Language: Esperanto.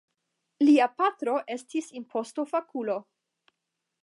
Lia patro estis impostofakulo.